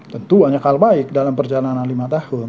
tentu banyak hal baik dalam perjalanan lima tahun